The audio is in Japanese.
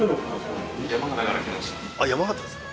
山形ですか？